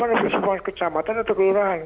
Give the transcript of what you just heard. atau puskesmas kecamatan atau kelurahan